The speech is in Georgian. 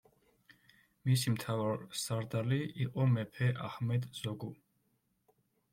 მისი მთავარსარდალი იყო მეფე აჰმედ ზოგუ.